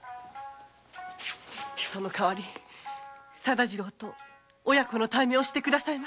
その代り定次郎と親子の対面をして下さいまし。